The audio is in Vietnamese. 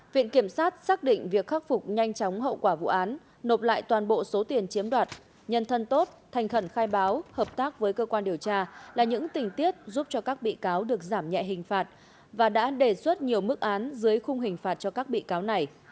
viện kiểm sát xác định việc khắc phục nhanh chóng hậu quả vụ án nộp lại toàn bộ số tiền chiếm đoạt nhân thân tốt thành khẩn khai báo hợp tác với cơ quan điều tra là những tình tiết giúp cho các bị cáo được giảm nhẹ hình phạt và đã đề xuất nhiều mức án dưới khung hình phạt cho các bị cáo này